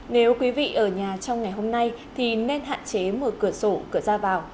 nếu quý vị ở nhà trong ngày hôm nay thì nên hạn chế mở cửa sổ cửa ra vào